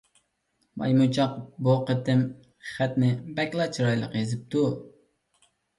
مايمۇنچاق بۇ قېتىم خەتنى بەكلا چىرايلىق يېزىپتۇ.